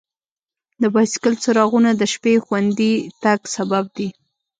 د بایسکل څراغونه د شپې خوندي تګ سبب دي.